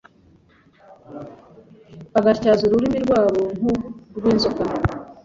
bagatyaza ururimi rwabo nk’urw’inzoka